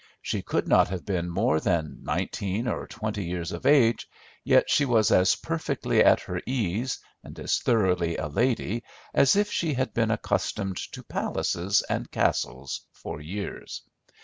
She could not have been more than nineteen or twenty years of age, yet she was as perfectly at her ease, and as thoroughly a lady as if she had been accustomed to palaces and castles for years.